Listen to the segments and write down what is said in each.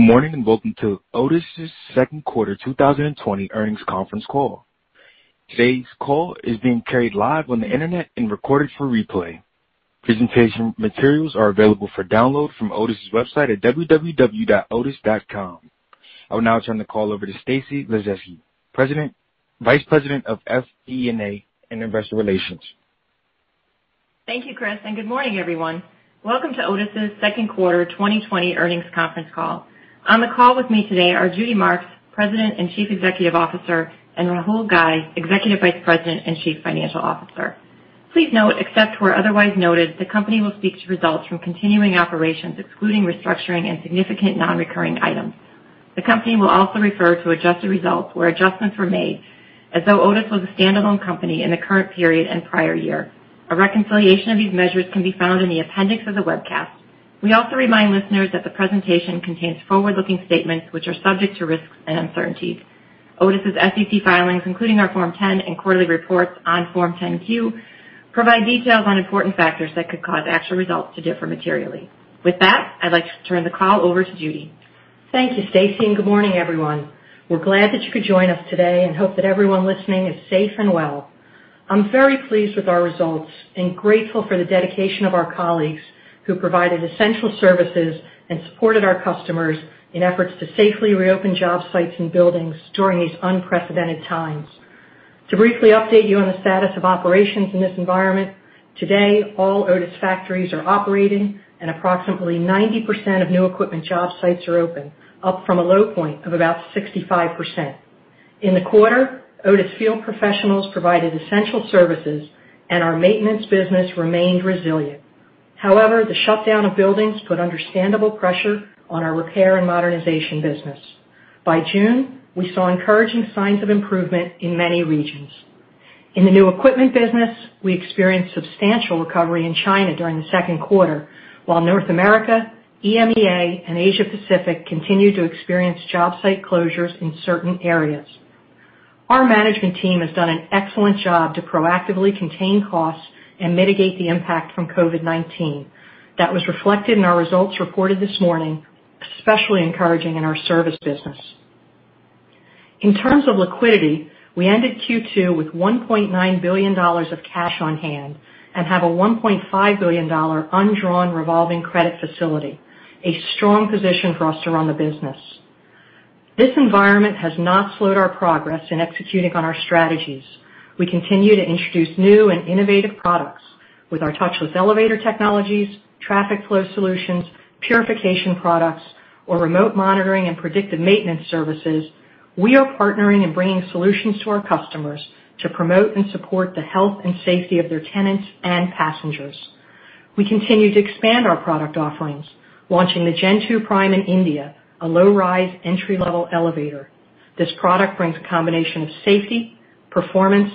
Good morning, and welcome to Otis's second quarter 2020 earnings conference call. Today's call is being carried live on the internet and recorded for replay. Presentation materials are available for download from Otis's website at www.otis.com. I will now turn the call over to Stacy Laszewski, Vice President of FP&A and Investor Relations. Thank you, Chris, and good morning, everyone. Welcome to Otis's second quarter 2020 earnings conference call. On the call with me today are Judy Marks, President and Chief Executive Officer, and Rahul Ghai, Executive Vice President and Chief Financial Officer. Please note, except where otherwise noted, the company will speak to results from continuing operations, excluding restructuring and significant non-recurring items. The company will also refer to adjusted results where adjustments were made as though Otis was a standalone company in the current period and prior year. A reconciliation of these measures can be found in the appendix of the webcast. We also remind listeners that the presentation contains forward-looking statements which are subject to risks and uncertainties. Otis's SEC filings, including our Form 10 and quarterly reports on Form 10-Q, provide details on important factors that could cause actual results to differ materially. With that, I'd like to turn the call over to Judy. Thank you, Stacy, and good morning, everyone. We're glad that you could join us today and hope that everyone listening is safe and well. I'm very pleased with our results and grateful for the dedication of our colleagues who provided essential services and supported our customers in efforts to safely reopen job sites and buildings during these unprecedented times. To briefly update you on the status of operations in this environment, today, all Otis factories are operating, and approximately 90% of new equipment job sites are open, up from a low point of about 65%. In the quarter, Otis field professionals provided essential services, and our maintenance business remained resilient. However, the shutdown of buildings put understandable pressure on our repair and modernization business. By June, we saw encouraging signs of improvement in many regions. In the new equipment business, we experienced substantial recovery in China during the second quarter, while North America, EMEA, and Asia-Pacific continued to experience job site closures in certain areas. Our management team has done an excellent job to proactively contain costs and mitigate the impact from COVID-19. That was reflected in our results reported this morning, especially encouraging in our service business. In terms of liquidity, we ended Q2 with $1.9 billion of cash on hand and have a $1.5 billion undrawn revolving credit facility, a strong position for us to run the business. This environment has not slowed our progress in executing on our strategies. We continue to introduce new and innovative products with our touchless elevator technologies, traffic flow solutions, purification products, or remote monitoring and predictive maintenance services. We are partnering and bringing solutions to our customers to promote and support the health and safety of their tenants and passengers. We continue to expand our product offerings, launching the Gen2 Prime in India, a low-rise entry-level elevator. This product brings a combination of safety, performance,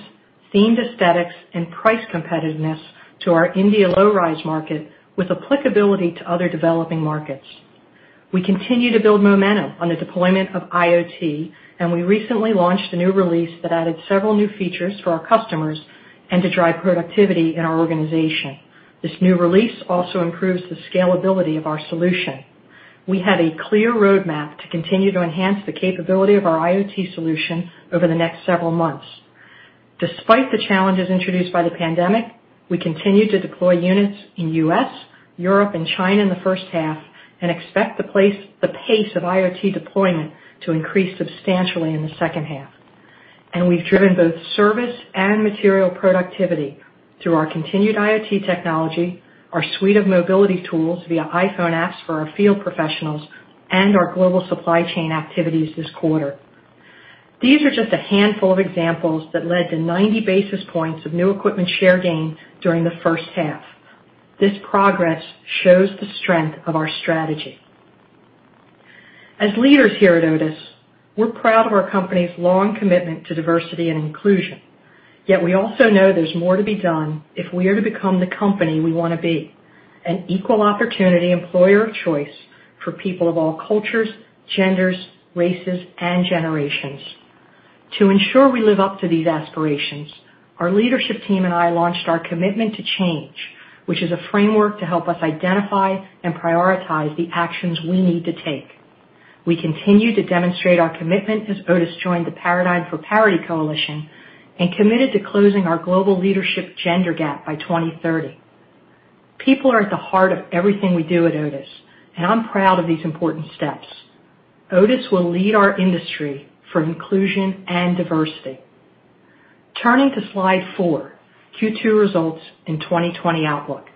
themed aesthetics, and price competitiveness to our India low-rise market with applicability to other developing markets. We continue to build momentum on the deployment of IoT, and we recently launched a new release that added several new features for our customers and to drive productivity in our organization. This new release also improves the scalability of our solution. We have a clear roadmap to continue to enhance the capability of our IoT solution over the next several months. Despite the challenges introduced by the pandemic, we continued to deploy units in the U.S., Europe, and China in the first half and expect the pace of IoT deployment to increase substantially in the second half. We've driven both service and material productivity through our continued IoT technology, our suite of mobility tools via iPhone apps for our field professionals, and our global supply chain activities this quarter. These are just a handful of examples that led to 90 basis points of new equipment share gain during the first half. This progress shows the strength of our strategy. As leaders here at Otis, we're proud of our company's long commitment to diversity and inclusion. We also know there's more to be done if we are to become the company we want to be, an equal opportunity employer of choice for people of all cultures, genders, races, and generations. To ensure we live up to these aspirations, our leadership team and I launched Our Commitment to Change, which is a framework to help us identify and prioritize the actions we need to take. We continue to demonstrate our commitment as Otis joined the Paradigm for Parity coalition and committed to closing our global leadership gender gap by 2030. People are at the heart of everything we do at Otis, and I'm proud of these important steps. Otis will lead our industry for inclusion and diversity. Turning to slide four, Q2 results and 2020 outlook.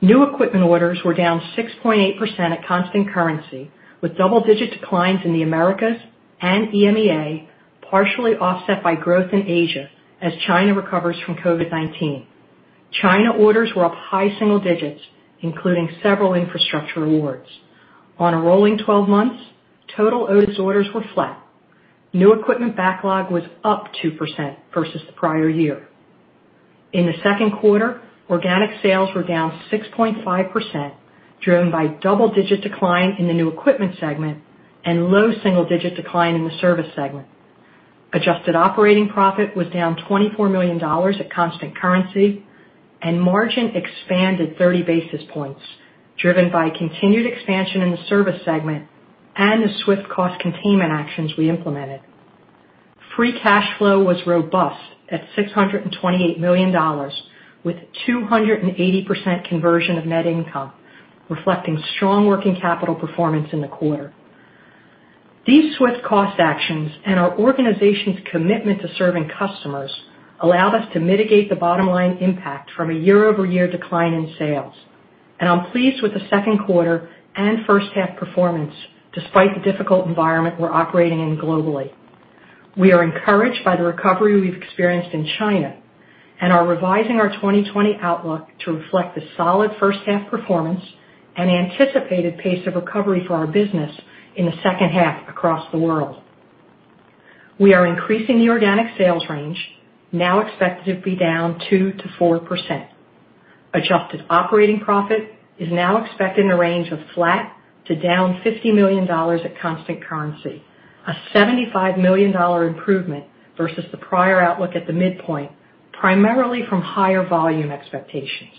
New equipment orders were down 6.8% at constant currency, with double-digit declines in the Americas and EMEA, partially offset by growth in Asia as China recovers from COVID-19. China orders were up high single digits, including several infrastructure awards. On a rolling 12 months, total Otis orders were flat. New equipment backlog was up 2% versus the prior year. In the second quarter, organic sales were down 6.5%, driven by double-digit decline in the new equipment segment and low single-digit decline in the service segment. Adjusted operating profit was down $24 million at constant currency, and margin expanded 30 basis points, driven by continued expansion in the service segment and the swift cost containment actions we implemented. Free cash flow was robust at $628 million, with 280% conversion of net income, reflecting strong working capital performance in the quarter. These swift cost actions and our organization's commitment to serving customers allowed us to mitigate the bottom-line impact from a year-over-year decline in sales. I'm pleased with the second quarter and first half performance, despite the difficult environment we're operating in globally. We are encouraged by the recovery we've experienced in China and are revising our 2020 outlook to reflect the solid first half performance and anticipated pace of recovery for our business in the second half across the world. We are increasing the organic sales range, now expected to be down 2%-4%. Adjusted operating profit is now expected in the range of flat to down $50 million at constant currency, a $75 million improvement versus the prior outlook at the midpoint, primarily from higher volume expectations.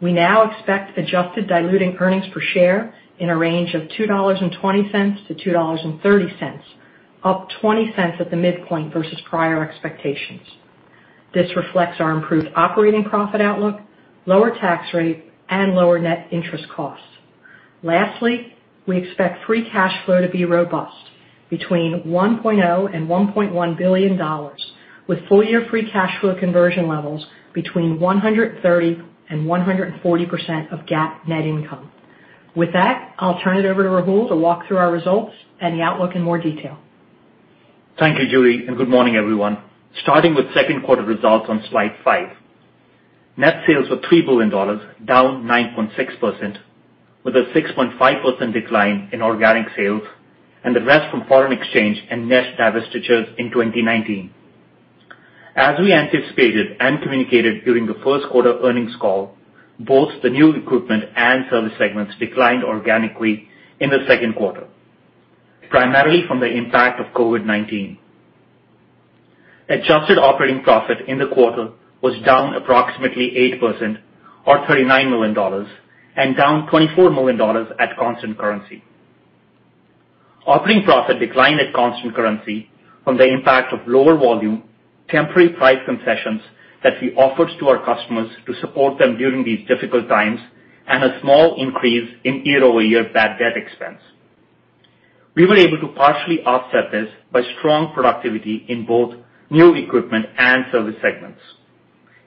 We now expect adjusted diluted earnings per share in a range of $2.20-$2.30, up $0.20 at the midpoint versus prior expectations. This reflects our improved operating profit outlook, lower tax rate, and lower net interest costs. Lastly, we expect free cash flow to be robust between $1.0 billion and $1.1 billion, with full-year free cash flow conversion levels between 130% and 140% of GAAP net income. With that, I'll turn it over to Rahul to walk through our results and the outlook in more detail. Thank you, Judy, and good morning, everyone. Starting with second quarter results on slide five. Net sales were $3 billion, down 9.6%, with a 6.5% decline in organic sales and the rest from foreign exchange and net divestitures in 2019. As we anticipated and communicated during the first quarter earnings call, both the new equipment and service segments declined organically in the second quarter, primarily from the impact of COVID-19. Adjusted operating profit in the quarter was down approximately 8%, or $39 million, and down $24 million at constant currency. Operating profit declined at constant currency from the impact of lower volume, temporary price concessions that we offered to our customers to support them during these difficult times, and a small increase in year-over-year bad debt expense. We were able to partially offset this by strong productivity in both new equipment and service segments.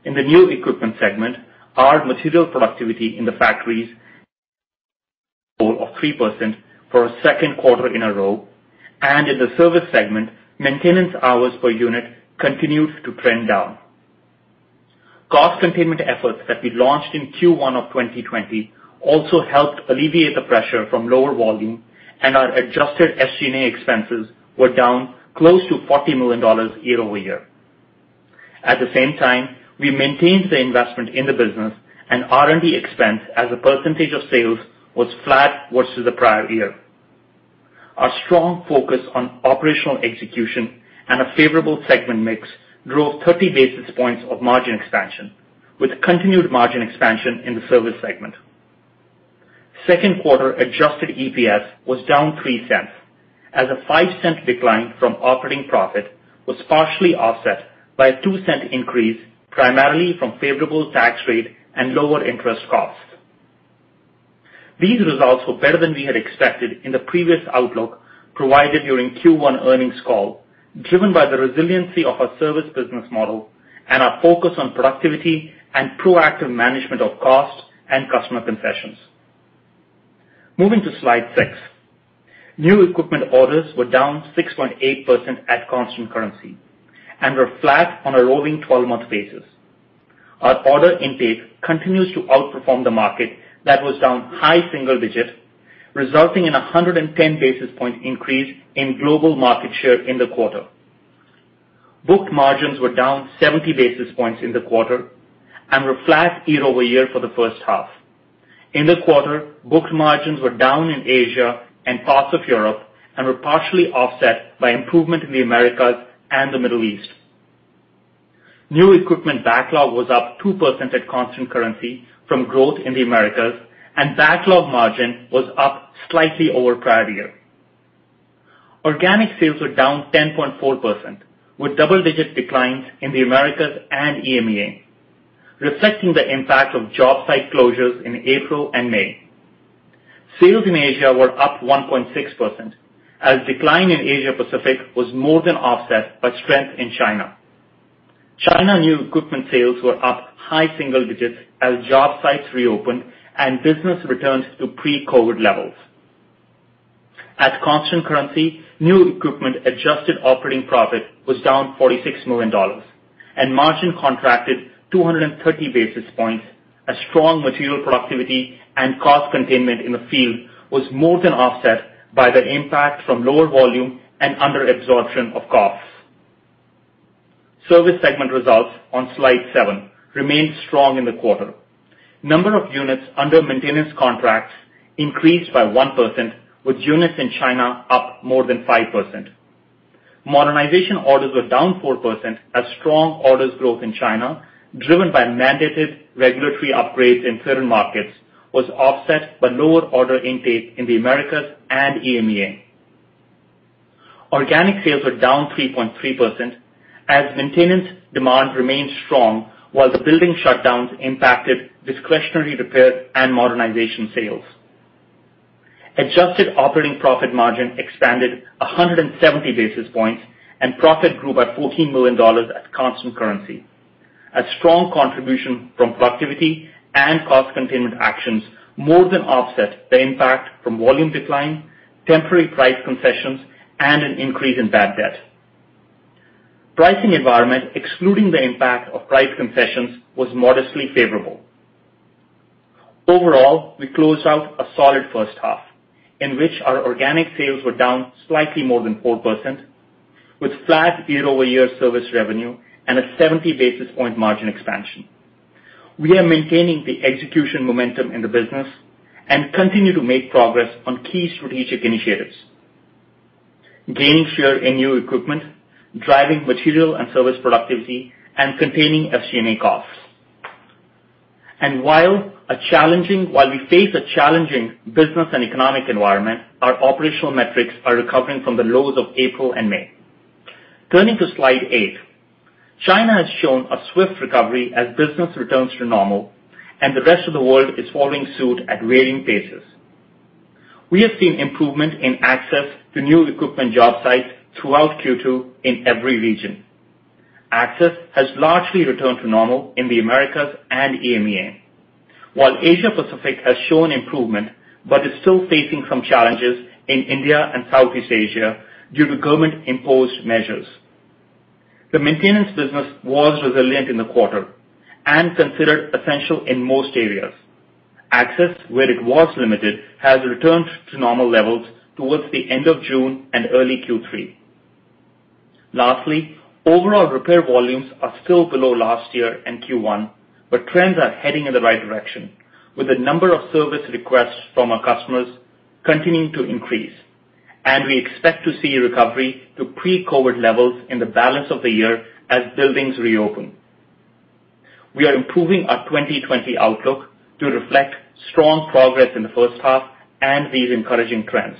In the new equipment segment, our material productivity in the factories, goal of 3% for a second quarter in a row. In the service segment, maintenance hours per unit continued to trend down. Cost containment efforts that we launched in Q1 of 2020 also helped alleviate the pressure from lower volume, and our adjusted SG&A expenses were down close to $40 million year-over-year. At the same time, we maintained the investment in the business, and R&D expense as a percentage of sales was flat versus the prior year. Our strong focus on operational execution and a favorable segment mix drove 30 basis points of margin expansion, with continued margin expansion in the service segment. Second quarter adjusted EPS was down $0.03, as a $0.05 decline from operating profit was partially offset by a $0.02 increase, primarily from favorable tax rate and lower interest costs. These results were better than we had expected in the previous outlook provided during Q1 earnings call, driven by the resiliency of our service business model and our focus on productivity and proactive management of cost and customer concessions. Moving to slide six. New equipment orders were down 6.8% at constant currency and were flat on a rolling 12-month basis. Our order intake continues to outperform the market that was down high single digits, resulting in 110 basis point increase in global market share in the quarter. Booked margins were down 70 basis points in the quarter and were flat year-over-year for the first half. In the quarter, booked margins were down in Asia and parts of Europe and were partially offset by improvement in the Americas and the Middle East. New equipment backlog was up 2% at constant currency from growth in the Americas. Backlog margin was up slightly over prior year. Organic sales were down 10.4%, with double-digit declines in the Americas and EMEA, reflecting the impact of job site closures in April and May. Sales in Asia were up 1.6%, as decline in Asia Pacific was more than offset by strength in China. China new equipment sales were up high single digits as job sites reopened and business returned to pre-COVID levels. At constant currency, new equipment adjusted operating profit was down $46 million and margin contracted 230 basis points as strong material productivity and cost containment in the field was more than offset by the impact from lower volume and under absorption of costs. Service segment results on Slide 7 remained strong in the quarter. Number of units under maintenance contracts increased by 1%, with units in China up more than 5%. Modernization orders were down 4% as strong orders growth in China, driven by mandated regulatory upgrades in certain markets, was offset by lower order intake in the Americas and EMEA. Organic sales were down 3.3% as maintenance demand remained strong while the building shutdowns impacted discretionary repairs and modernization sales. Adjusted operating profit margin expanded 170 basis points, and profit grew by $14 million at constant currency. A strong contribution from productivity and cost containment actions more than offset the impact from volume decline, temporary price concessions, and an increase in bad debt. Pricing environment, excluding the impact of price concessions, was modestly favorable. Overall, we closed out a solid first half in which our organic sales were down slightly more than 4%, with flat year-over-year service revenue and a 70 basis point margin expansion. We are maintaining the execution momentum in the business and continue to make progress on key strategic initiatives, gaining share in new equipment, driving material and service productivity, and containing SG&A costs. While we face a challenging business and economic environment, our operational metrics are recovering from the lows of April and May. Turning to slide eight. China has shown a swift recovery as business returns to normal, and the rest of the world is following suit at varying paces. We have seen improvement in access to new equipment job sites throughout Q2 in every region. Access has largely returned to normal in the Americas and EMEA, while Asia Pacific has shown improvement but is still facing some challenges in India and Southeast Asia due to government-imposed measures. The maintenance business was resilient in the quarter and considered essential in most areas. Access, where it was limited, has returned to normal levels towards the end of June and early Q3. Lastly, overall repair volumes are still below last year in Q1, but trends are heading in the right direction, with the number of service requests from our customers continuing to increase. We expect to see a recovery to pre-COVID levels in the balance of the year as buildings reopen. We are improving our 2020 outlook to reflect strong progress in the first half and these encouraging trends.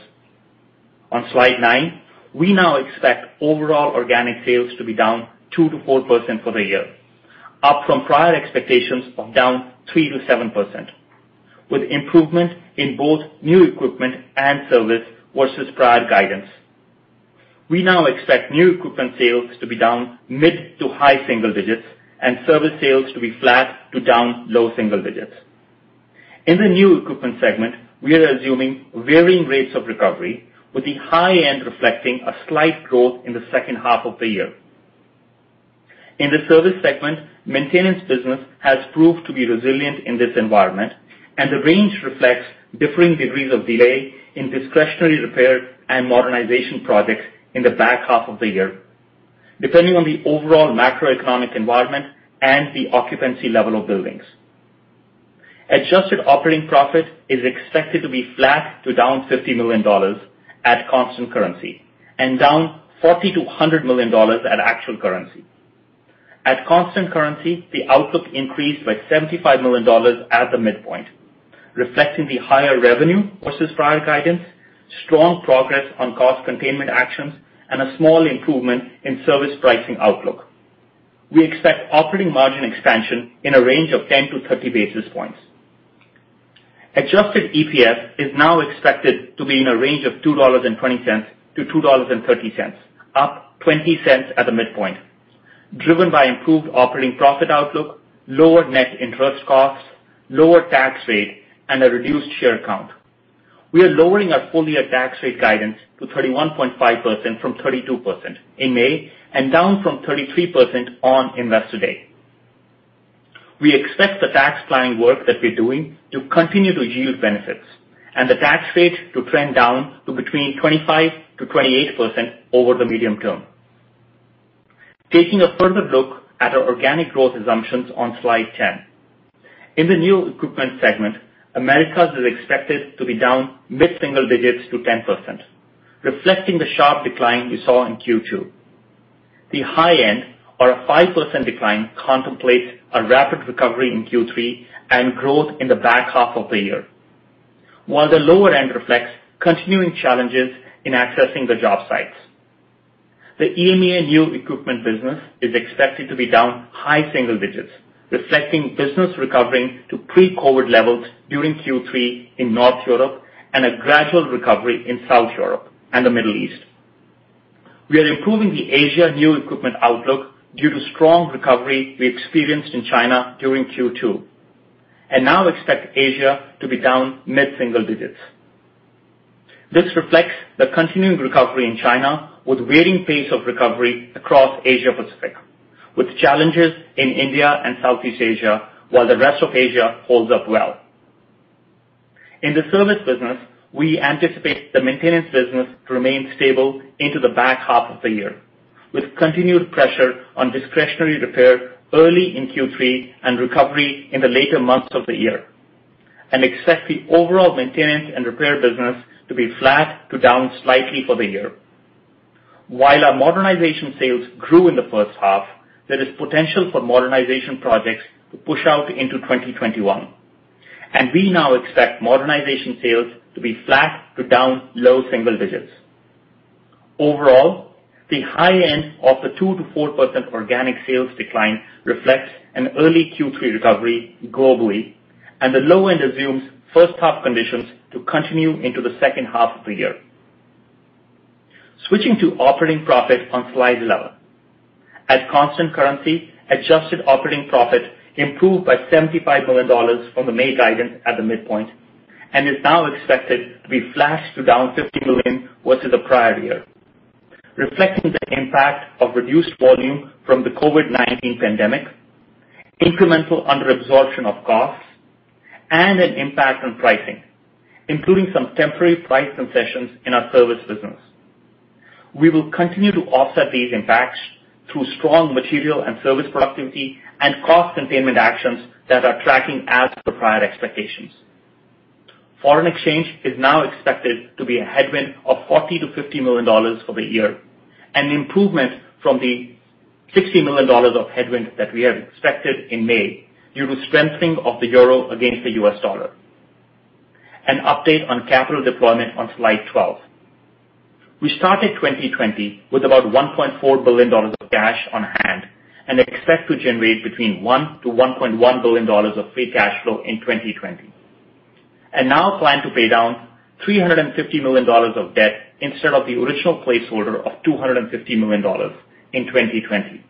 On slide nine, we now expect overall organic sales to be down 2%-4% for the year, up from prior expectations of down 3%-7%, with improvement in both new equipment and service versus prior guidance. We now expect new equipment sales to be down mid to high single digits and service sales to be flat to down low single digits. In the new equipment segment, we are assuming varying rates of recovery, with the high end reflecting a slight growth in the second half of the year. In the service segment, maintenance business has proved to be resilient in this environment, and the range reflects differing degrees of delay in discretionary repair and modernization projects in the back half of the year, depending on the overall macroeconomic environment and the occupancy level of buildings. Adjusted operating profit is expected to be flat to down $50 million at constant currency and down $40 million-$100 million at actual currency. At constant currency, the outlook increased by $75 million at the midpoint, reflecting the higher revenue versus prior guidance, strong progress on cost containment actions, and a small improvement in service pricing outlook. We expect operating margin expansion in a range of 10-30 basis points. Adjusted EPS is now expected to be in a range of $2.20-$2.30, up $0.20 at the midpoint, driven by improved operating profit outlook, lower net interest costs, lower tax rate, and a reduced share count. We are lowering our full-year tax rate guidance to 31.5% from 32% in May and down from 33% on Investor Day. We expect the tax planning work that we're doing to continue to yield benefits and the tax rate to trend down to between 25%-28% over the medium term. Taking a further look at our organic growth assumptions on slide 10. In the new equipment segment, Americas is expected to be down mid-single digits to 10%, reflecting the sharp decline we saw in Q2. The high end, or a 5% decline, contemplates a rapid recovery in Q3 and growth in the back half of the year, while the lower end reflects continuing challenges in accessing the job sites. The EMEA new equipment business is expected to be down high single digits, reflecting business recovering to pre-COVID-19 levels during Q3 in North Europe and a gradual recovery in South Europe and the Middle East. We are improving the Asia new equipment outlook due to strong recovery we experienced in China during Q2 and now expect Asia to be down mid-single digits. This reflects the continuing recovery in China with varying pace of recovery across Asia Pacific, with challenges in India and Southeast Asia, while the rest of Asia holds up well. In the service business, we anticipate the maintenance business to remain stable into the back half of the year, with continued pressure on discretionary repair early in Q3 and recovery in the later months of the year, and expect the overall maintenance and repair business to be flat to down slightly for the year. While our modernization sales grew in the first half, there is potential for modernization projects to push out into 2021, and we now expect modernization sales to be flat to down low single digits. Overall, the high end of the 2%-4% organic sales decline reflects an early Q3 recovery globally, and the low end assumes first half conditions to continue into the second half of the year. Switching to operating profit on slide 11. At constant currency, adjusted operating profit improved by $75 million from the May guidance at the midpoint, and is now expected to be flat to down $50 million versus the prior year, reflecting the impact of reduced volume from the COVID-19 pandemic, incremental under-absorption of costs, and an impact on pricing, including some temporary price concessions in our service business. We will continue to offset these impacts through strong material and service productivity and cost containment actions that are tracking as per prior expectations. Foreign exchange is now expected to be a headwind of $40 million-$50 million for the year, an improvement from the $60 million of headwind that we had expected in May due to strengthening of the EUR against the USD. An update on capital deployment on slide 12. We started 2020 with about $1.4 billion of cash on hand and expect to generate between $1 billion-$1.1 billion of free cash flow in 2020, and now plan to pay down $350 million of debt instead of the original placeholder of $250 million in 2020.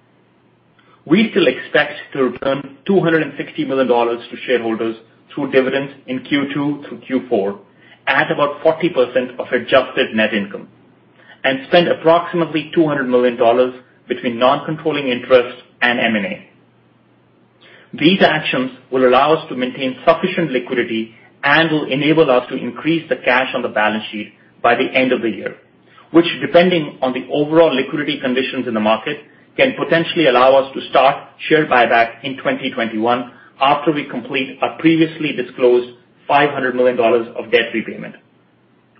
We still expect to return $260 million to shareholders through dividends in Q2 through Q4 at about 40% of adjusted net income, and spend approximately $200 million between non-controlling interests and M&A. These actions will allow us to maintain sufficient liquidity and will enable us to increase the cash on the balance sheet by the end of the year, which, depending on the overall liquidity conditions in the market, can potentially allow us to start share buyback in 2021 after we complete our previously disclosed $500 million of debt repayment.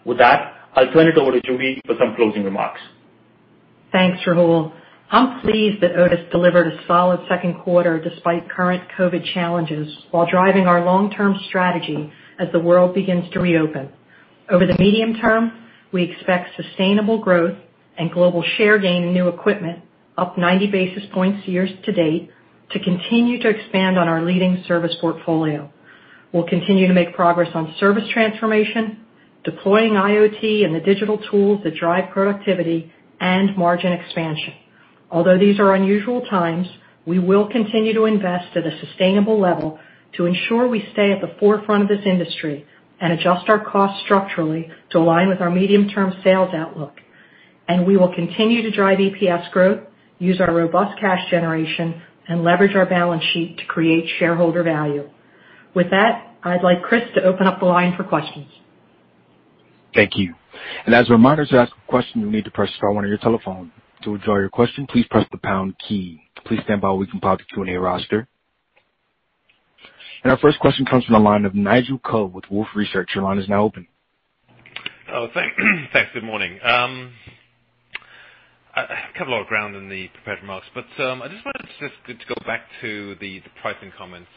With that, I'll turn it over to Judy for some closing remarks. Thanks, Rahul. I'm pleased that Otis delivered a solid second quarter despite current COVID challenges while driving our long-term strategy as the world begins to reopen. Over the medium term, we expect sustainable growth and global share gain in new equipment, up 90 basis points year to date, to continue to expand on our leading service portfolio. We'll continue to make progress on service transformation, deploying IoT and the digital tools that drive productivity and margin expansion. Although these are unusual times, we will continue to invest at a sustainable level to ensure we stay at the forefront of this industry and adjust our cost structurally to align with our medium-term sales outlook. We will continue to drive EPS growth, use our robust cash generation, and leverage our balance sheet to create shareholder value. With that, I'd like Chris to open up the line for questions. Thank you. As a reminder, to ask a question, you'll need to press star one on your telephone. To withdraw your question, please press the pound key. Please stand by while we compile the Q&A roster. Our first question comes from the line of Nigel Coe with Wolfe Research. Your line is now open. Oh, thanks. Good morning. I covered a lot of ground in the prepared remarks. I just wanted to go back to the pricing comments.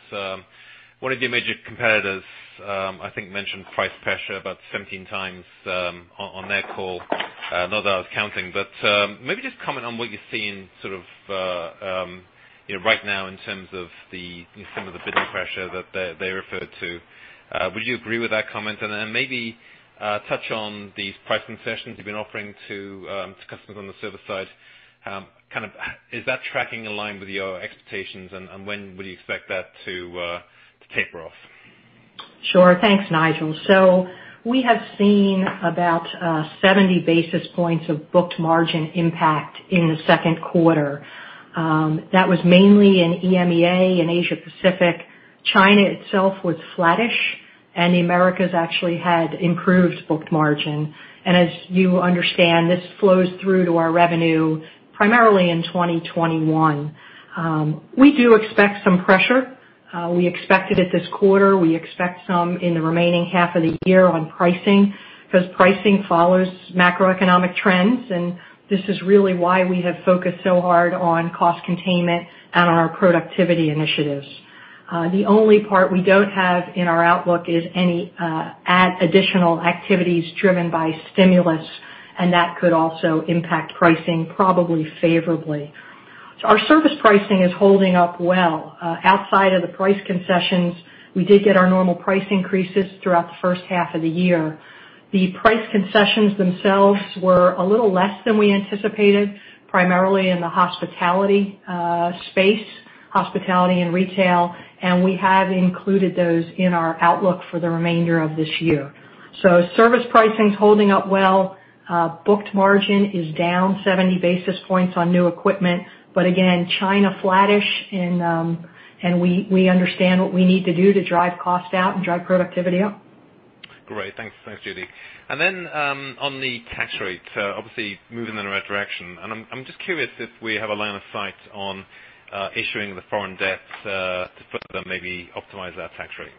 One of your major competitors, I think mentioned price pressure about 17 times on their call. Not that I was counting, maybe just comment on what you're seeing sort of, you know, right now in terms of the, some of the bidding pressure that they referred to. Would you agree with that comment? Maybe touch on these price concessions you've been offering to customers on the service side. Is that tracking in line with your expectations, and when would you expect that to taper off? Sure. Thanks, Nigel. We have seen about 70 basis points of booked margin impact in the second quarter. That was mainly in EMEA and Asia-Pacific. China itself was flattish, and the Americas actually had improved booked margin. As you understand, this flows through to our revenue primarily in 2021. We do expect some pressure. We expected it this quarter. We expect some in the remaining half of the year on pricing, because pricing follows macroeconomic trends, and this is really why we have focused so hard on cost containment and on our productivity initiatives. The only part we don't have in our outlook is any additional activities driven by stimulus, and that could also impact pricing probably favorably. Our service pricing is holding up well. Outside of the price concessions, we did get our normal price increases throughout the first half of the year. The price concessions themselves were a little less than we anticipated, primarily in the hospitality space, hospitality and retail, and we have included those in our outlook for the remainder of this year. Service pricing's holding up well. Booked margin is down 70 basis points on new equipment, but again, China flattish, and we understand what we need to do to drive cost out and drive productivity up. Great. Thanks, Judy. On the tax rate, obviously moving in the right direction, and I'm just curious if we have a line of sight on issuing the foreign debt to further maybe optimize that tax rate.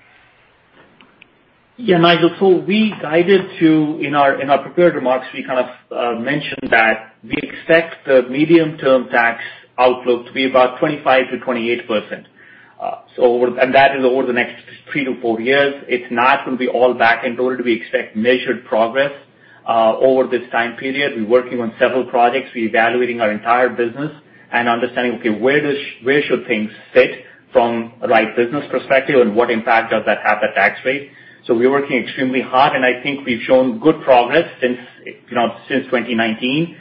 Nigel. We guided you in our prepared remarks, we kind of mentioned that we expect the medium-term tax outlook to be about 25%-28%. That is over the next three to four years. It's not going to be all back end loaded. We expect measured progress over this time period. We're working on several projects. We're evaluating our entire business and understanding, okay, where should things sit from a right business perspective, and what impact does that have at tax rate? We're working extremely hard, and I think we've shown good progress since 2019.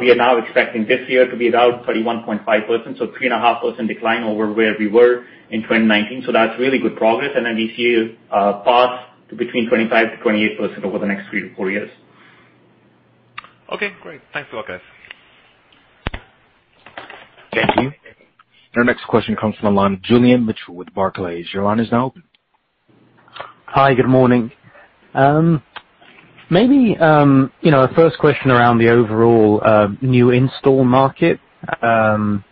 We are now expecting this year to be about 31.5%, so 3.5% decline over where we were in 2019. That's really good progress. This year, a path to between 25%-28% over the next three to four years. Okay, great. Thanks, Rahul. Thank you. Our next question comes from the line of Julian Mitchell with Barclays. Your line is now open. Hi, good morning. Maybe a first question around the overall new install market. One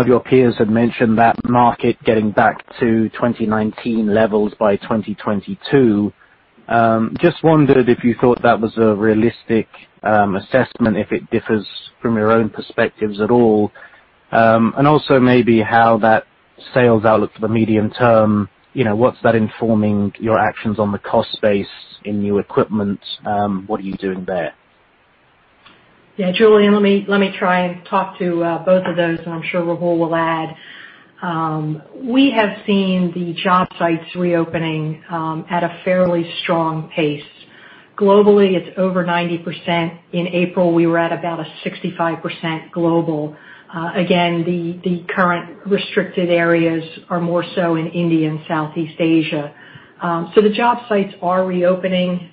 of your peers had mentioned that market getting back to 2019 levels by 2022. Just wondered if you thought that was a realistic assessment, if it differs from your own perspectives at all. Also maybe how that sales outlook for the medium term, what's that informing your actions on the cost base in new equipment? What are you doing there? Julian, let me try and talk to both of those. I'm sure Rahul will add. We have seen the job sites reopening at a fairly strong pace. Globally, it's over 90%. In April, we were at about a 65% global. The current restricted areas are more so in India and Southeast Asia. The job sites are reopening.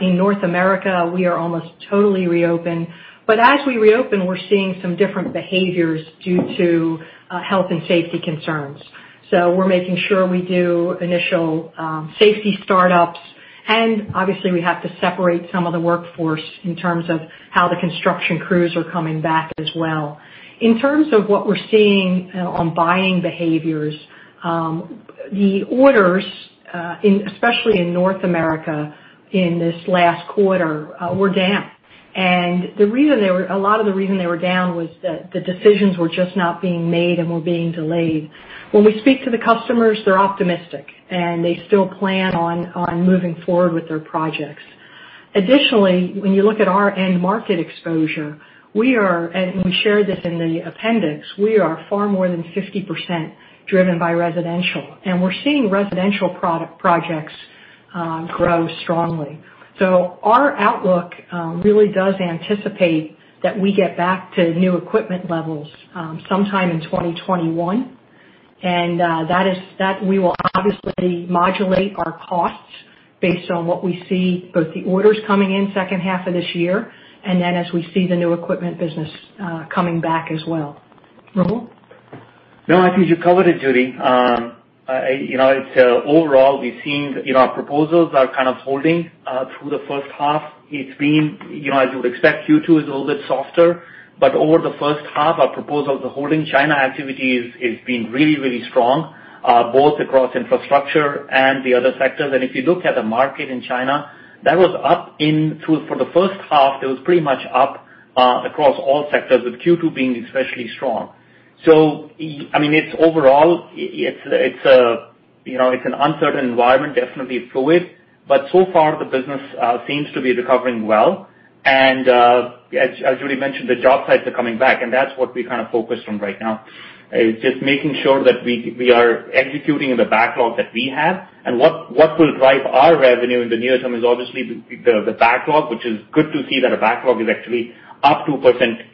In North America, we are almost totally reopened. As we reopen, we're seeing some different behaviors due to health and safety concerns. We're making sure we do initial safety startups, and obviously we have to separate some of the workforce in terms of how the construction crews are coming back as well. In terms of what we're seeing on buying behaviors, the orders, especially in North America in this last quarter, were down. A lot of the reason they were down was that the decisions were just not being made and were being delayed. When we speak to the customers, they're optimistic, and they still plan on moving forward with their projects. Additionally, when you look at our end market exposure, and we share this in the appendix, we are far more than 50% driven by residential, and we're seeing residential projects grow strongly. Our outlook really does anticipate that we get back to new equipment levels sometime in 2021. That we will obviously modulate our costs based on what we see, both the orders coming in second half of this year, and then as we see the new equipment business coming back as well. Rahul? No, I think you covered it, Judy. Overall, we've seen our proposals are kind of holding through the first half. As you would expect, Q2 is a little bit softer. Over the first half, our proposals are holding. China activity has been really strong, both across infrastructure and the other sectors. If you look at the market in China, that was up for the first half, it was pretty much up across all sectors, with Q2 being especially strong. It's an uncertain environment, definitely fluid, but so far the business seems to be recovering well. As Judy mentioned, the job sites are coming back, and that's what we're kind of focused on right now, is just making sure that we are executing the backlog that we have. What will drive our revenue in the near term is obviously the backlog, which is good to see that our backlog is actually up 2%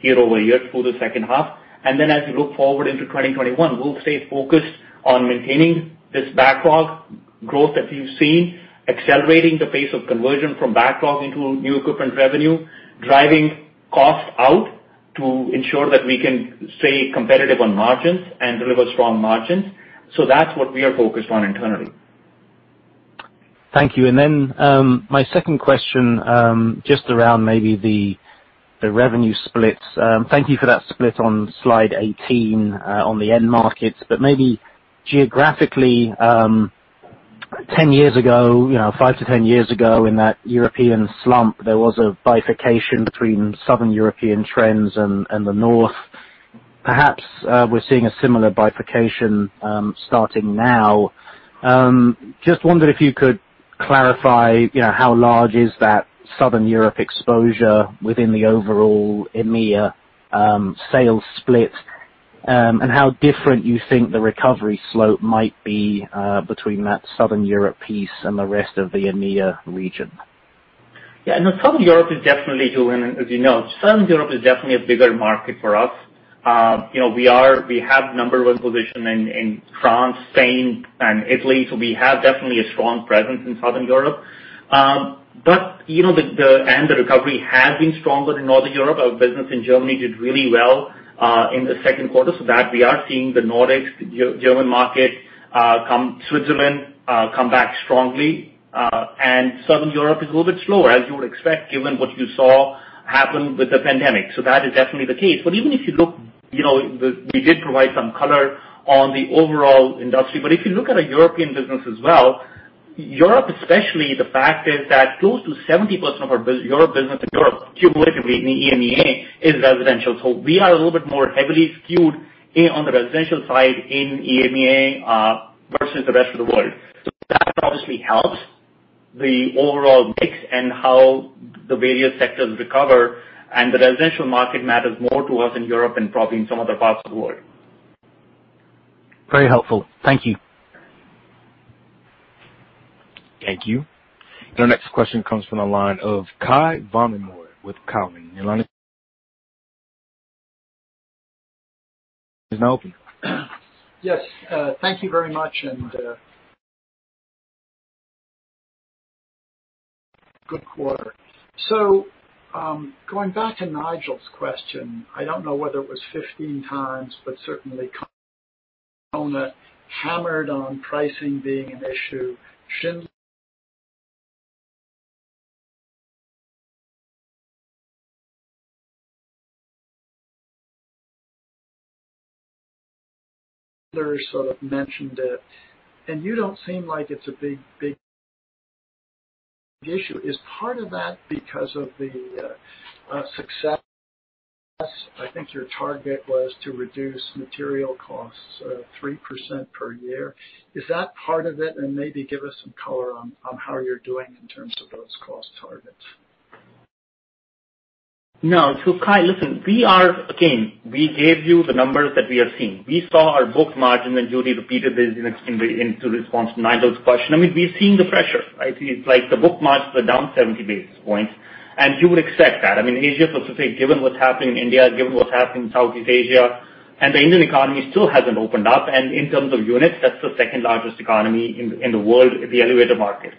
year-over-year through the second half. As we look forward into 2021, we'll stay focused on maintaining this backlog growth that we've seen, accelerating the pace of conversion from backlog into new equipment revenue, driving cost out to ensure that we can stay competitive on margins and deliver strong margins. That's what we are focused on internally. Thank you. My second question, just around maybe the revenue splits. Thank you for that split on slide 18 on the end markets. Maybe geographically, 10 years ago, five to 10 years ago in that European slump, there was a bifurcation between Southern European trends and the North. Perhaps we're seeing a similar bifurcation starting now. I just wondered if you could clarify how large is that Southern Europe exposure within the overall EMEA sales split, and how different you think the recovery slope might be between that Southern Europe piece and the rest of the EMEA region. Yeah. Southern Europe is definitely, Julian, as you know, Southern Europe is definitely a bigger market for us. We have number one position in France, Spain, and Italy. We have definitely a strong presence in Southern Europe. The recovery has been stronger in Northern Europe. Our business in Germany did really well in the second quarter, so that we are seeing the Nordics, the German market, Switzerland come back strongly. Southern Europe is a little bit slower, as you would expect, given what you saw happen with the pandemic. That is definitely the case. Even if you look, we did provide some color on the overall industry. If you look at a European business as well, Europe especially, the fact is that close to 70% of our Europe business in Europe, cumulatively in the EMEA, is residential. We are a little bit more heavily skewed on the residential side in EMEA, versus the rest of the world. That obviously helps the overall mix and how the various sectors recover, and the residential market matters more to us in Europe and probably in some other parts of the world. Very helpful. Thank you. Thank you. Our next question comes from the line of Cai von Rumohr with Cowen. Your line is now open. Yes, thank you very much and good quarter. Going back to Nigel's question, I don't know whether it was 15 times, but certainly Kone hammered on pricing being an issue. Schindler sort of mentioned it, and you don't seem like it's a big issue. Is part of that because of the success? I think your target was to reduce material costs 3% per year. Is that part of it? Maybe give us some color on how you're doing in terms of those cost targets. No. Cai, listen, again, we gave you the numbers that we are seeing. We saw our booked margin, and Judy repeated this in response to Nigel's question. We're seeing the pressure, right? It's like the booked margins were down 70 basis points, and you would expect that. To say, given what's happening in India, given what's happening in Southeast Asia, and the Indian economy still hasn't opened up. In terms of units, that's the second largest economy in the world, the elevator market.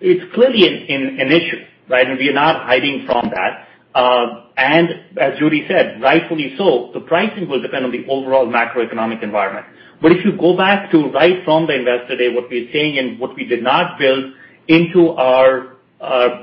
It's clearly an issue, right? We are not hiding from that. As Judy said, rightfully so, the pricing will depend on the overall macroeconomic environment. If you go back to right from the Investor Day, what we're saying and what we did not build into our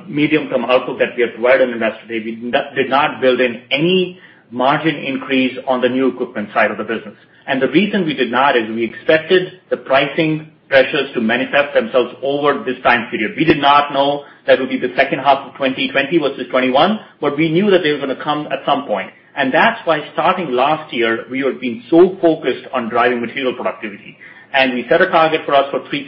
medium-term outlook that we have provided on Investor Day, we did not build in any margin increase on the new equipment side of the business. The reason we did not is we expected the pricing pressures to manifest themselves over this time period. We did not know that it would be the second half of 2020 versus 2021, but we knew that they were going to come at some point. That's why starting last year, we have been so focused on driving material productivity. We set a target for us for 3%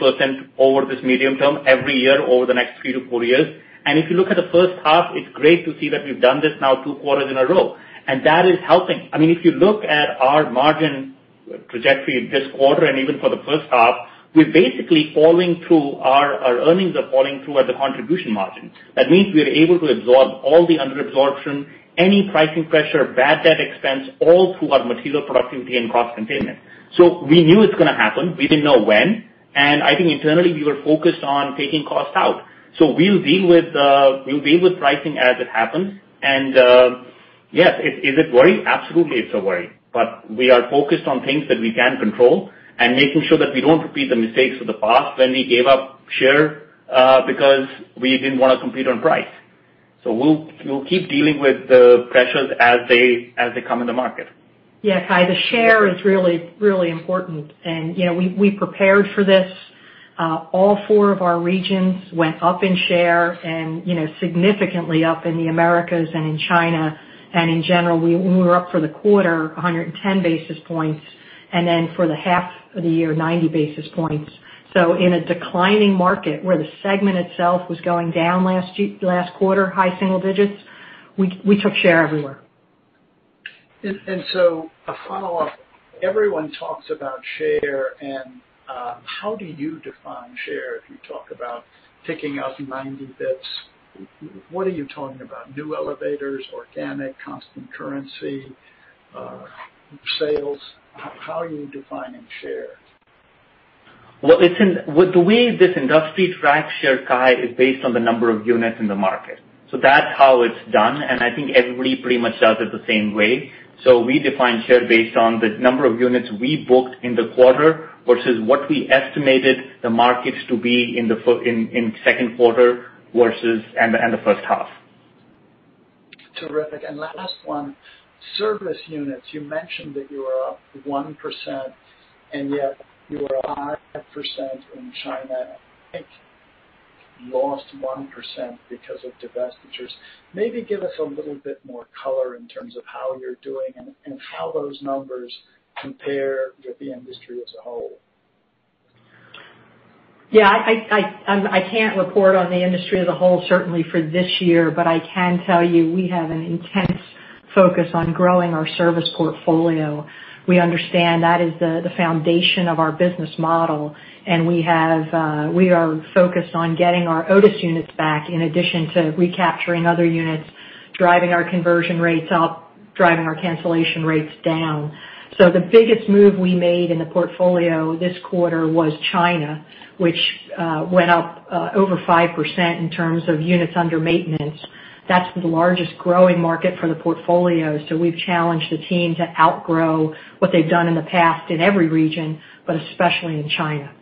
over this medium term every year over the next three to four years. If you look at the first half, it's great to see that we've done this now two quarters in a row, and that is helping. If you look at our margin trajectory this quarter and even for the first half, our earnings are falling through at the contribution margin. That means we are able to absorb all the under absorption, any pricing pressure, bad debt expense, all through our material productivity and cost containment. We knew it's going to happen. We didn't know when, and I think internally, we were focused on taking costs out. We'll deal with pricing as it happens. Yes, is it worrying? Absolutely, it's a worry, but we are focused on things that we can control and making sure that we don't repeat the mistakes of the past when we gave up share because we didn't want to compete on price. We'll keep dealing with the pressures as they come in the market. Cai, the share is really important, and we prepared for this. All four of our regions went up in share and significantly up in the Americas and in China. In general, we were up for the quarter 110 basis points, then for the half of the year, 90 basis points. In a declining market where the segment itself was going down last quarter, high single digits, we took share everywhere. A follow-up. Everyone talks about share and how do you define share if you talk about taking out 90 basis points? What are you talking about? New elevators, organic, constant currency, sales? How are you defining share? The way this industry tracks share, Cai, is based on the number of units in the market. That's how it's done, and I think everybody pretty much does it the same way. We define share based on the number of units we booked in the quarter versus what we estimated the markets to be in second quarter and the first half. Terrific. Last one, service units. You mentioned that you are up 1%, and yet you are up 5% in China. I think you lost 1% because of divestitures. Maybe give us a little bit more color in terms of how you're doing and how those numbers compare with the industry as a whole. Yeah, I can't report on the industry as a whole certainly for this year. I can tell you we have an intense focus on growing our service portfolio. We understand that is the foundation of our business model, and we are focused on getting our Otis units back in addition to recapturing other units, driving our conversion rates up, driving our cancellation rates down. The biggest move we made in the portfolio this quarter was China, which went up over 5% in terms of units under maintenance. That's the largest growing market for the portfolio. We've challenged the team to outgrow what they've done in the past in every region, but especially in China.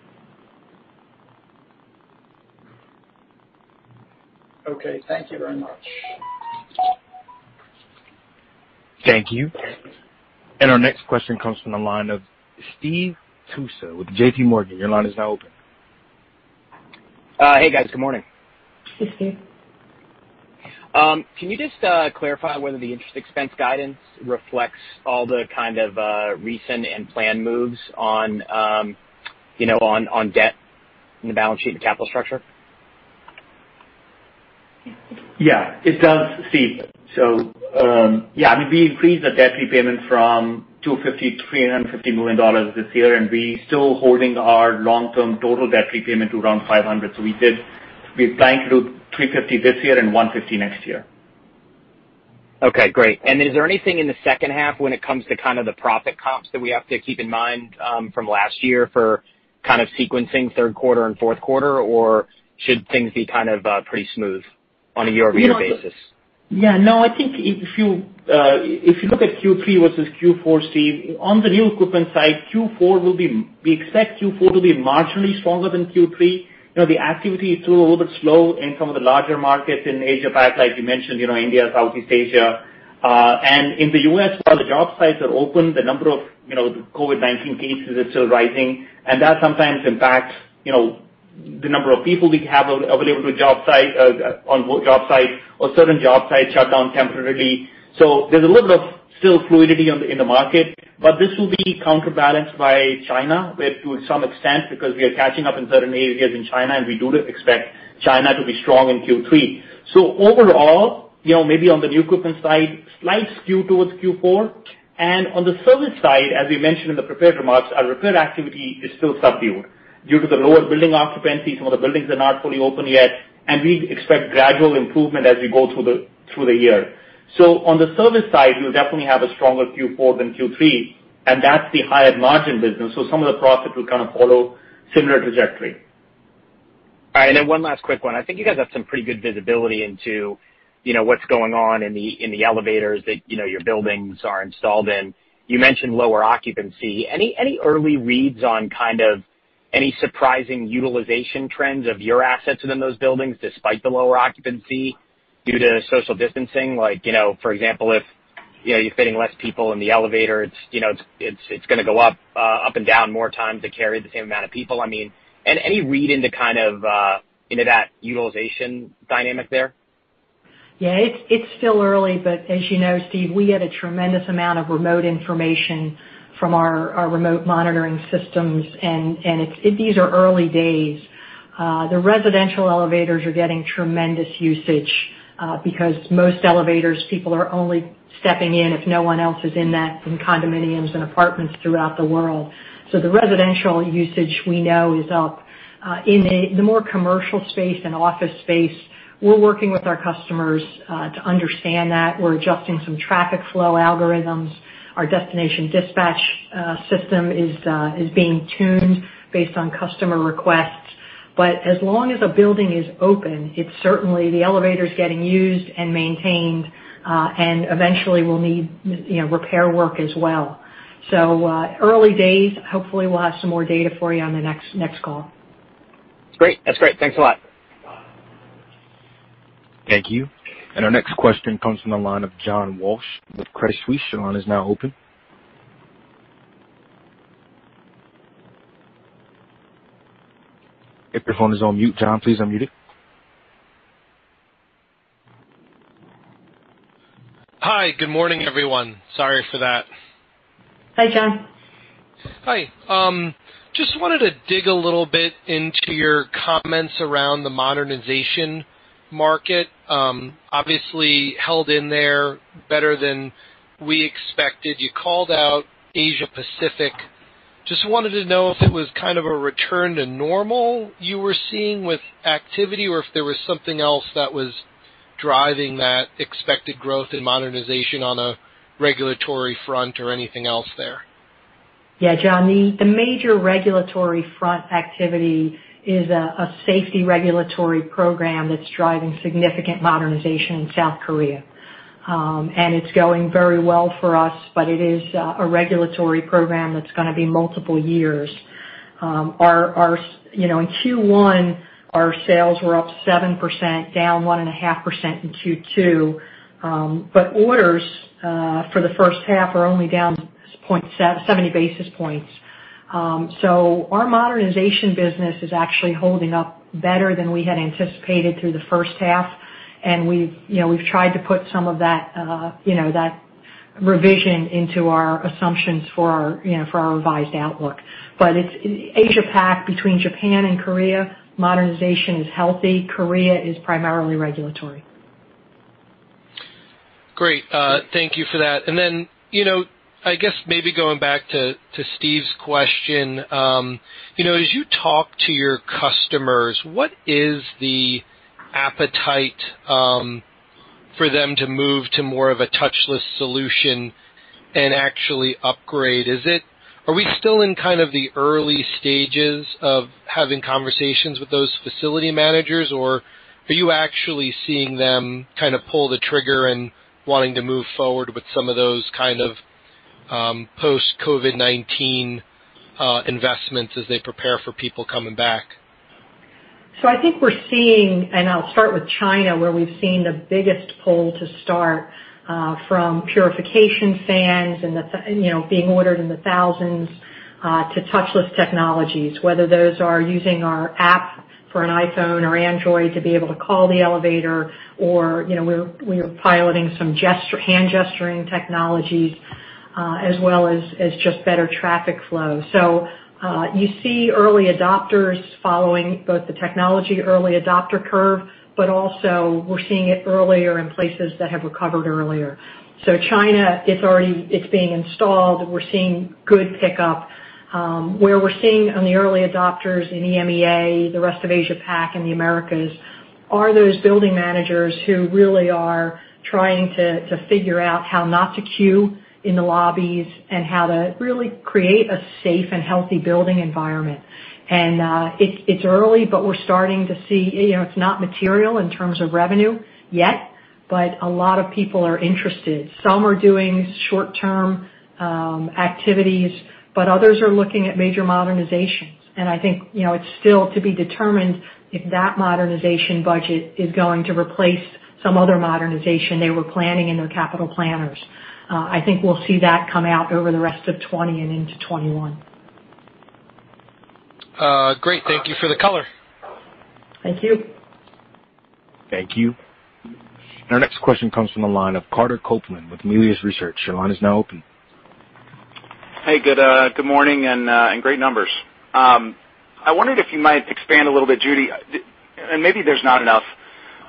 Okay. Thank you very much. Thank you. Our next question comes from the line of Steve Tusa with JPMorgan. Your line is now open. Hey, guys. Good morning. Hey, Steve. Can you just clarify whether the interest expense guidance reflects all the kind of recent and planned moves on debt in the balance sheet and capital structure? Yeah. Yeah, it does, Steve. Yeah, we increased the debt repayment from $250 million to $350 million this year, and we're still holding our long-term total debt repayment to around $500 million. We're planning to do $350 million this year and $150 million next year. Okay, great. Is there anything in the second half when it comes to kind of the profit comps that we have to keep in mind from last year for kind of sequencing third quarter and fourth quarter? Or should things be kind of pretty smooth on a year-over-year basis? No, I think if you look at Q3 versus Q4, Steve, on the new equipment side, we expect Q4 to be marginally stronger than Q3. The activity is still a little bit slow in some of the larger markets in Asia-Pac, like you mentioned, India, Southeast Asia. In the U.S., while the job sites are open, the number of COVID-19 cases is still rising, and that sometimes impacts the number of people we have available on job sites or certain job sites shut down temporarily. There's a little bit of still fluidity in the market, but this will be counterbalanced by China to some extent because we are catching up in certain areas in China, and we do expect China to be strong in Q3. Overall, maybe on the new equipment side, slight skew towards Q4. On the service side, as we mentioned in the prepared remarks, our repair activity is still subdued due to the lower building occupancy. Some of the buildings are not fully open yet, and we expect gradual improvement as we go through the year. On the service side, we'll definitely have a stronger Q4 than Q3, and that's the higher margin business, so some of the profit will kind of follow similar trajectory. All right, one last quick one. I think you guys have some pretty good visibility into what's going on in the elevators that your buildings are installed in. You mentioned lower occupancy. Any early reads on kind of any surprising utilization trends of your assets within those buildings despite the lower occupancy due to social distancing? Like, for example, if you're fitting less people in the elevator, it's going to go up and down more times to carry the same amount of people. Any read into kind of that utilization dynamic there? Yeah, it's still early, but as you know, Steve, we get a tremendous amount of remote information from our remote monitoring systems, and these are early days. The residential elevators are getting tremendous usage because most elevators, people are only stepping in if no one else is in that, in condominiums and apartments throughout the world. The residential usage we know is up. In the more commercial space and office space, we're working with our customers to understand that. We're adjusting some traffic flow algorithms. Our destination dispatch system is being tuned based on customer requests. As long as a building is open, it's certainly the elevator's getting used and maintained, and eventually will need repair work as well. Early days. Hopefully, we'll have some more data for you on the next call. That's great. Thanks a lot. Thank you. Our next question comes from the line of John Walsh with Credit Suisse. Your line is now open. I think your phone is on mute, John. Please unmute it. Hi. Good morning, everyone. Sorry for that. Hi, John. Hi. Just wanted to dig a little bit into your comments around the modernization market. Obviously held in there better than we expected. You called out Asia-Pacific. Just wanted to know if it was kind of a return to normal you were seeing with activity, or if there was something else that was driving that expected growth in modernization on a regulatory front or anything else there? Yeah, John. The major regulatory front activity is a safety regulatory program that's driving significant modernization in South Korea. It's going very well for us, but it is a regulatory program that's going to be multiple years. In Q1, our sales were up 7%, down 1.5% in Q2. Orders for the first half are only down 70 basis points. Our modernization business is actually holding up better than we had anticipated through the first half, and we've tried to put some of that revision into our assumptions for our revised outlook. Asia-Pac, between Japan and Korea, modernization is healthy. Korea is primarily regulatory. Great. Thank you for that. Then, I guess maybe going back to Steve's question, as you talk to your customers, what is the appetite for them to move to more of a touchless solution and actually upgrade? Are we still in kind of the early stages of having conversations with those facility managers, or are you actually seeing them kind of pull the trigger and wanting to move forward with some of those kind of post-COVID-19 investments as they prepare for people coming back? I think we're seeing, and I'll start with China, where we've seen the biggest pull to start from purification fans being ordered in the thousands to touchless technologies, whether those are using our app for an iPhone or Android to be able to call the elevator, or we're piloting some hand-gesturing technologies, as well as just better traffic flow. You see early adopters following both the technology early adopter curve, but also we're seeing it earlier in places that have recovered earlier. China, it's being installed. We're seeing good pickup. Where we're seeing on the early adopters in EMEA, the rest of Asia Pac and the Americas are those building managers who really are trying to figure out how not to queue in the lobbies and how to really create a safe and healthy building environment. It's early, but we're starting to see, it's not material in terms of revenue yet, but a lot of people are interested. Some are doing short-term activities, but others are looking at major modernizations. I think, it's still to be determined if that modernization budget is going to replace some other modernization they were planning in their capital planners. I think we'll see that come out over the rest of 2020 and into 2021. Great. Thank you for the color. Thank you. Thank you. Our next question comes from the line of Carter Copeland with Melius Research. Your line is now open. Hey, good morning and great numbers. I wondered if you might expand a little bit, Judy, and maybe there's not enough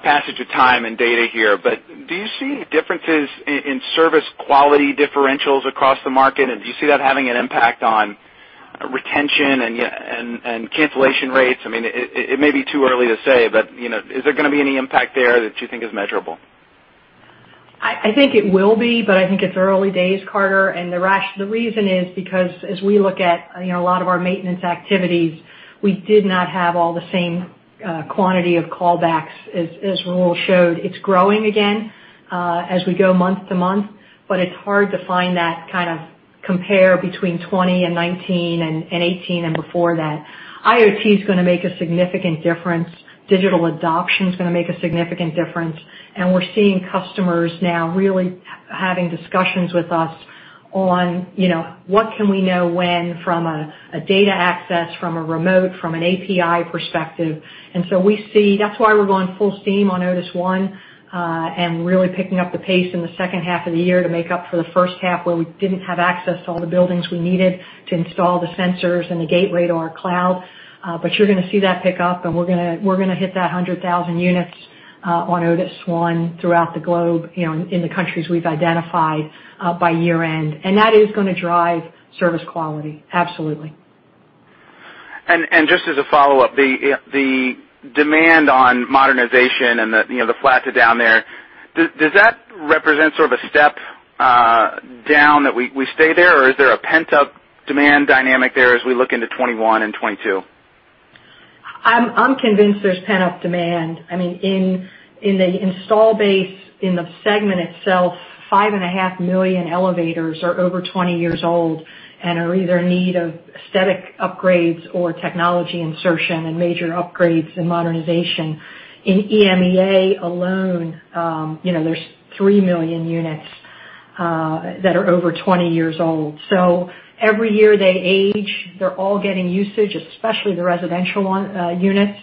passage of time and data here, but do you see differences in service quality differentials across the market? Do you see that having an impact on retention and cancellation rates? It may be too early to say, but is there going to be any impact there that you think is measurable? I think it will be, but I think it's early days, Carter, and the reason is because as we look at a lot of our maintenance activities, we did not have all the same quantity of callbacks as Rahul showed. It's growing again as we go month-to-month, but it's hard to find that kind of compare between 2020 and 2019 and 2018 and before that. IoT is going to make a significant difference. Digital adoption is going to make a significant difference, and we're seeing customers now really having discussions with us on what can we know when from a data access, from a remote, from an API perspective. That's why we're going full steam on Otis ONE, and really picking up the pace in the second half of the year to make up for the first half where we didn't have access to all the buildings we needed to install the sensors and the gateway to our cloud. You're going to see that pick up, and we're going to hit that 100,000 units on Otis ONE throughout the globe in the countries we've identified by year-end. That is going to drive service quality. Absolutely. Just as a follow-up, the demand on modernization and the flats are down there, does that represent sort of a step down that we stay there, or is there a pent-up demand dynamic there as we look into 2021 and 2022? I'm convinced there's pent-up demand. In the install base in the segment itself, 5.5 million elevators are over 20 years old and are either in need of aesthetic upgrades or technology insertion and major upgrades and modernization. In EMEA alone, there's 3 million units that are over 20 years old. Every year they age, they're all getting usage, especially the residential units.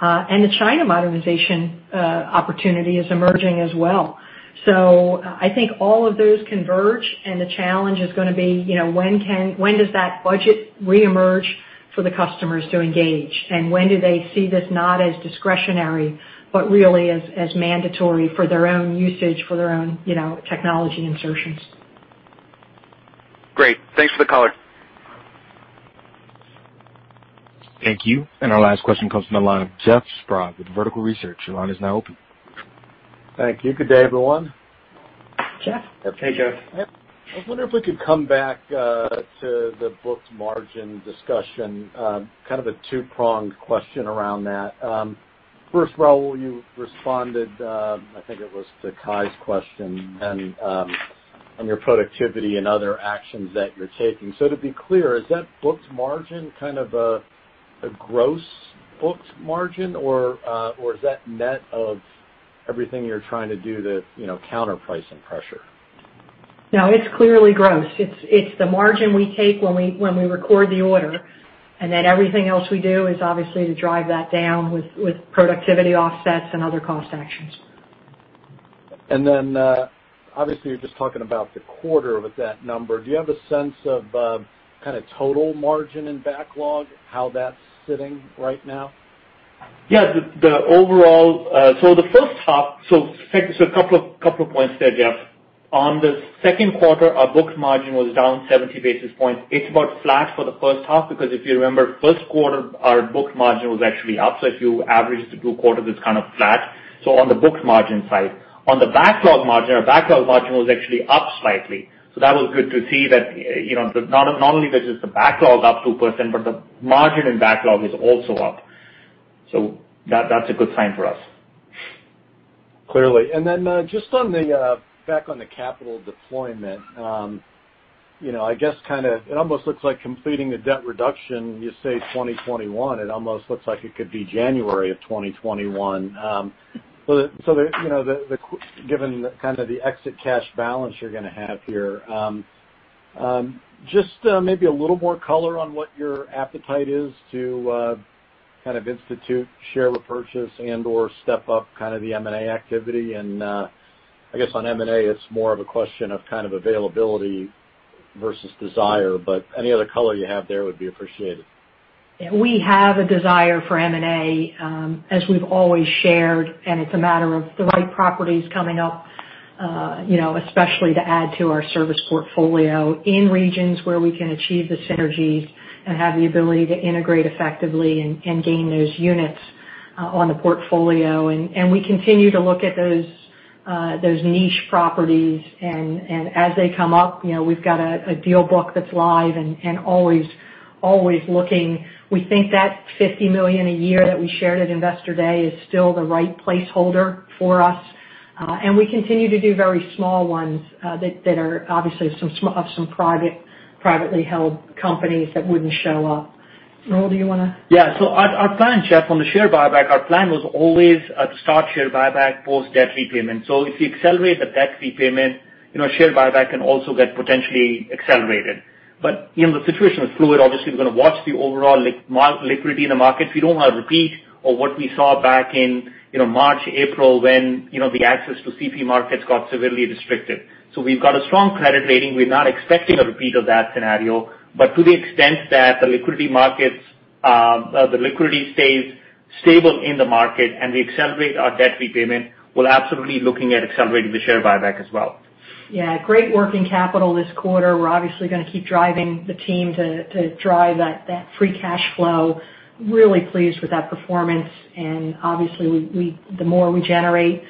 The China modernization opportunity is emerging as well. I think all of those converge, and the challenge is going to be when does that budget reemerge for the customers to engage, and when do they see this not as discretionary but really as mandatory for their own usage, for their own technology insertions. Great. Thanks for the color. Thank you. Our last question comes from the line of Jeff Sprague with Vertical Research. Your line is now open. Thank you. Good day, everyone. Jeff. Hey, Jeff. I was wondering if we could come back to the booked margin discussion, kind of a two-pronged question around that. First of all, you responded, I think it was to Cai's question on your productivity and other actions that you're taking. To be clear, is that booked margin kind of a gross booked margin, or is that net of everything you're trying to do to counter pricing pressure? It's clearly gross. It's the margin we take when we record the order, and then everything else we do is obviously to drive that down with productivity offsets and other cost actions. Obviously, you're just talking about the quarter with that number. Do you have a sense of kind of total margin and backlog, how that's sitting right now? Yeah. A couple of points there, Jeff. On the second quarter, our books margin was down 70 basis points. It's about flat for the first half because if you remember first quarter, our books margin was actually up. If you average the two quarters, it's kind of flat. On the books margin side. On the backlog margin, our backlog margin was actually up slightly. That was good to see that, not only was just the backlog up 2%, but the margin in backlog is also up. That's a good sign for us. Clearly. Just back on the capital deployment. I guess it almost looks like completing the debt reduction, you say 2021, it almost looks like it could be January of 2021. Given kind of the exit cash balance you're going to have here, just maybe a little more color on what your appetite is to kind of institute share repurchase and/or step up kind of the M&A activity. I guess on M&A, it's more of a question of kind of availability versus desire, but any other color you have there would be appreciated. Yeah. We have a desire for M&A, as we've always shared, and it's a matter of the right properties coming up, especially to add to our service portfolio in regions where we can achieve the synergies and have the ability to integrate effectively and gain those units on the portfolio. We continue to look at those niche properties and as they come up, we've got a deal book that's live and always looking. We think that $50 million a year that we shared at Investor Day is still the right placeholder for us. We continue to do very small ones, that are obviously of some privately held companies that wouldn't show up. Rahul, do you want to? Our plan, Jeff, on the share buyback, our plan was always to start share buyback post-debt repayment. If we accelerate the debt repayment, share buyback can also get potentially accelerated. The situation is fluid. Obviously, we're going to watch the overall liquidity in the market. We don't want a repeat of what we saw back in March, April when the access to CP markets got severely restricted. We've got a strong credit rating. We're not expecting a repeat of that scenario. To the extent that the liquidity stays stable in the market and we accelerate our debt repayment, we're absolutely looking at accelerating the share buyback as well. Yeah. Great working capital this quarter. We're obviously going to keep driving the team to drive that free cash flow. Really pleased with that performance. Obviously, the more we generate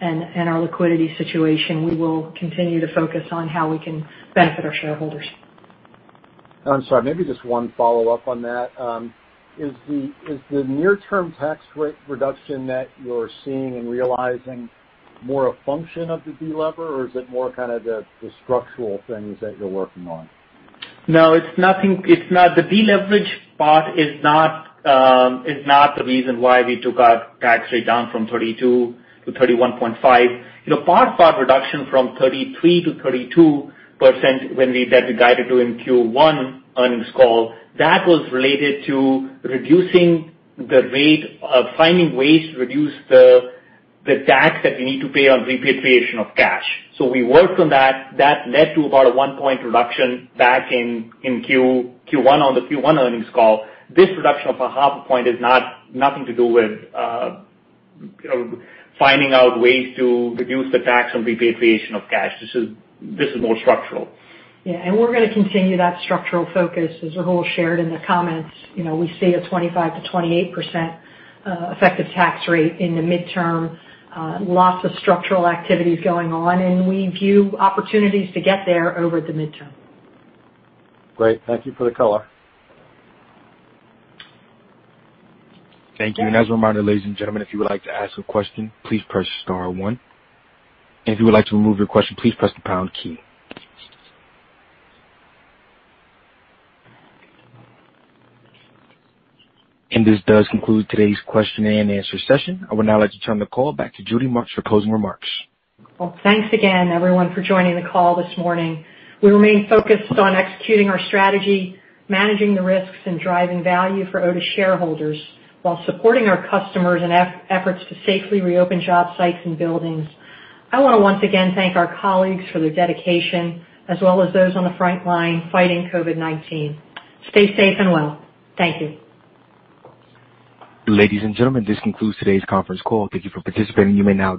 in our liquidity situation, we will continue to focus on how we can benefit our shareholders. I'm sorry, maybe just one follow-up on that. Is the near-term tax rate reduction that you're seeing and realizing more a function of the delever, or is it more kind of the structural things that you're working on? The deleverage part is not the reason why we took our tax rate down from 32% to 31.5%. Part of our reduction from 33% to 32% that we guided to in Q1 earnings call, that was related to finding ways to reduce the tax that we need to pay on repatriation of cash. We worked on that. That led to about a one-point reduction back in Q1 on the Q1 earnings call. This reduction of a half a point is nothing to do with finding out ways to reduce the tax on repatriation of cash. This is more structural. Yeah. We're going to continue that structural focus, as Rahul shared in the comments. We see a 25%-28% effective tax rate in the midterm. Lots of structural activities going on, and we view opportunities to get there over the midterm. Great. Thank you for the color. Thank you. As a reminder, ladies and gentlemen, if you would like to ask a question, please press star one. If you would like to remove your question, please press the pound key. This does conclude today's question and answer session. I would now like to turn the call back to Judy Marks for closing remarks. Well, thanks again, everyone, for joining the call this morning. We remain focused on executing our strategy, managing the risks, and driving value for Otis shareholders while supporting our customers in efforts to safely reopen job sites and buildings. I want to once again thank our colleagues for their dedication as well as those on the front-line fighting COVID-19. Stay safe and well. Thank you. Ladies and gentlemen, this concludes today's conference call. Thank you for participating. You may now.